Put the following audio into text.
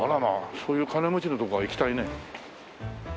そういう金持ちのところは行きたいね。